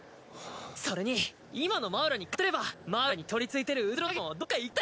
それに今のマウラに勝てればマウラに取り憑いてる虚の影もどっか行くって。